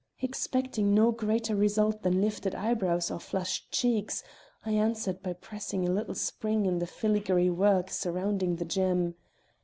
Expecting no greater result than lifted eyebrows or flushed cheeks, I answered by pressing a little spring in the filigree work surrounding the gem.